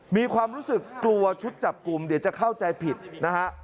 มีความรู้สึกกลัวชุดจับกลุ่มเดี๋ยวจะเข้าใจผิดนะฮะ